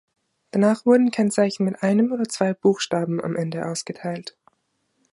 Danach wurden Kennzeichen mit einem oder zwei Buchstaben am Ende ausgeteilt.